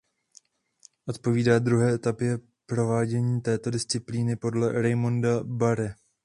Odpovídá druhé etapě provádění této disciplíny podle Raymonda Barre.